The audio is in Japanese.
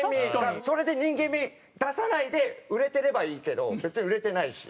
それで人間味出さないで売れてればいいけど別に売れてないし。